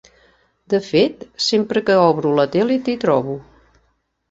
De fet, sempre que obro la tele t'hi trobo.